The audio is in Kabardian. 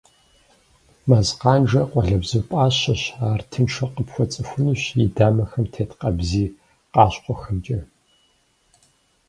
Мэз къанжэр къуалэбзу пӏащэщ, ар тыншу къыпхуэцӏыхунущ и дамэхэм тет къабзий къащхъуэхэмкӏэ.